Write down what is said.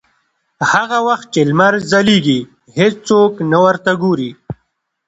هغه وخت چې لمر ځلېږي هېڅوک نه ورته ګوري.